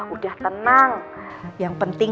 udah tenang yang penting